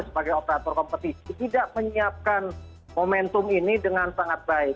sebagai operator kompetisi tidak menyiapkan momentum ini dengan sangat baik